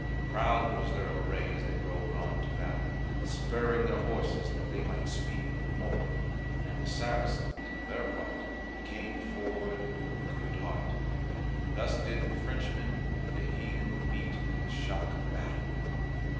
Proud was their array as they rode on to battle, spurring their horses that they might speed the more. And the Saracens, on their part, came forward with a good heart. Thus did the Frenchmen and the heathen meet in the shock of battle.